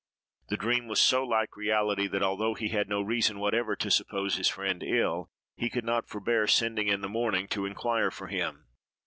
The dream was so like reality, that, although he had no reason whatever to suppose his friend ill, he could not forbear sending in the morning to inquire for him.